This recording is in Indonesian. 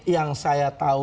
yang saya tahu